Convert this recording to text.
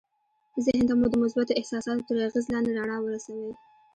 ذهن ته مو د مثبتو احساساتو تر اغېز لاندې رڼا ورسوئ